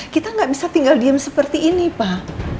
kita nggak bisa tinggal diem seperti ini pak